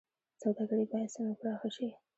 سوداګري باید څنګه پراخه شي؟